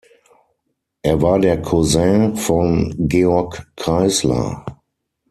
Er war der Cousin von Georg Kreisler.